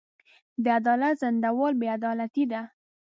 د عدالت ځنډول بې عدالتي ده.